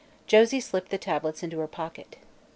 Josie slipped the tablets into her pocket.